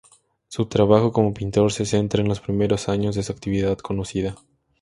Su trabajo como pintor se centra en los primeros años de su actividad conocida.